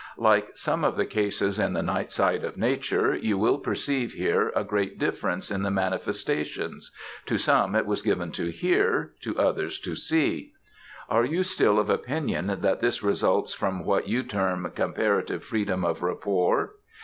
Like some of the cases in the "Night Side of Nature," you will perceive here a great difference in the manifestations to some it was given to hear, to others to see. Are you still of opinion that this results from what you term comparative freedom of rapport!